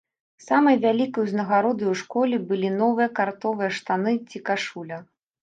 Самай вялікай узнагародай у школе былі новыя картовыя штаны ці кашуля.